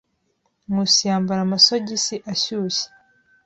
Nkusi yambara amasogisi ashyushye.